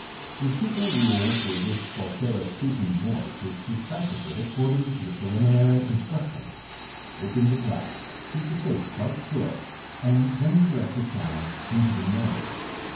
The simple rule for this falsetto speaking voice is to practice it according to the prelimi nary instructions : look in the glass — keep the face quite still — and then direct the sound into the nose.